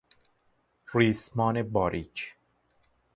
ریسمان باریک